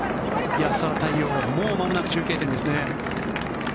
安原太陽、もうまもなく中継点ですね。